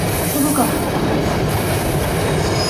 শুভ কামনা, তাহলে!